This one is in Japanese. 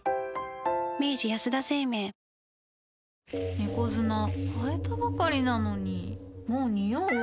猫砂替えたばかりなのにもうニオう？